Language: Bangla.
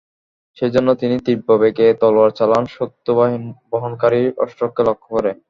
সেজন্য তিনি তীব্রবেগে তলোয়ার চালান শত্রুবহনকারী অশ্বকে লক্ষ্য করে।